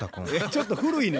ちょっと古いな。